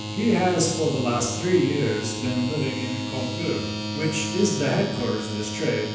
He has for the last three years been living in Corfu, which is the headquarters of his trade.